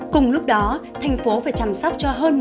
cùng lúc đó tp hcm phải chăm sóc cho hơn một trăm linh bốn f